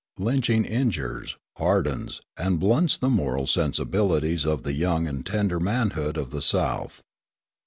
Lynching injures, hardens, and blunts the moral sensibilities of the young and tender manhood of the South.